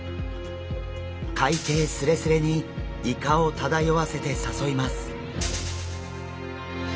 海底スレスレにイカを漂わせて誘います。